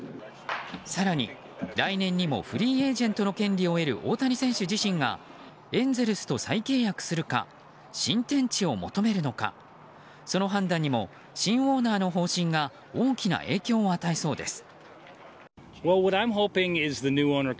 更に来年にもフリーエージェントの権利を得る大谷選手自身がエンゼルスと再契約するか新天地を求めるのかその判断にも新オーナーの方針が大きな影響を与えそうです。